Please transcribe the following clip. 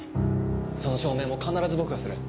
その証明も必ず僕がする。